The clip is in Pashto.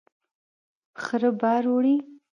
خره بار وړي.